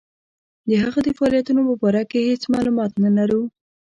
د هغه د فعالیتونو په باره کې هیڅ معلومات نه لرو.